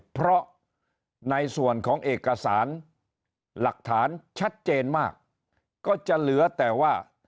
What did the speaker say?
เพราะในส่วนของเอกสารหลักฐานชัดเจนมากก็จะเหลือแต่ว่า